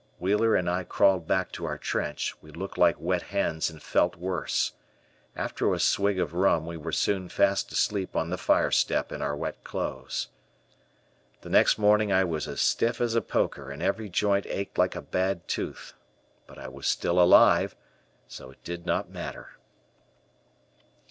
Wheeler and I crawled back to our trench, we looked like wet hens and felt worse. After a swig of rum we were soon fast asleep on the fire step in our wet clothes. The next morning I was as stiff as a poker and every joint ached like a bad tooth, but I was still alive, so it did not matter.